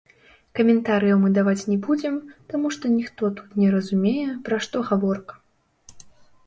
Каментарыяў мы даваць не будзем, таму што ніхто тут не разумее, пра што гаворка.